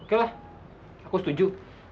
oke lah aku setuju